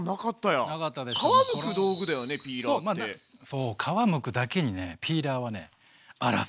そう皮むくだけにねピーラーはねあらず。